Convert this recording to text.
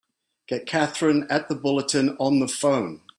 Get Katherine at the Bulletin on the phone!